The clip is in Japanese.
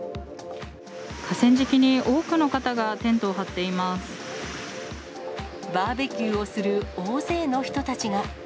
河川敷に多くの方がテントをバーベキューをする大勢の人たちが。